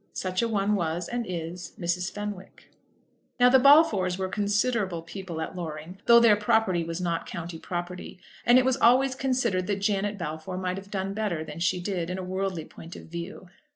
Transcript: Such a one was, and is, Mrs. Fenwick. Now the Balfours were considerable people at Loring, though their property was not county property; and it was always considered that Janet Balfour might have done better than she did, in a worldly point of view.